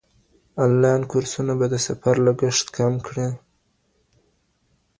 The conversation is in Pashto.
انلاين کورسونه به د سفر لګښت کم کړي.